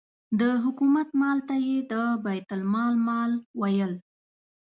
د حکومت مال ته یې د بیت المال مال ویل.